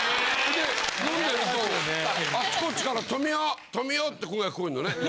あっちこっちから「富美男」「富美男」って声が聞こえんのね。